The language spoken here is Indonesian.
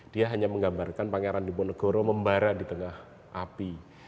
dia hanya menggambarkan pangeran diponegoro membara di tengah api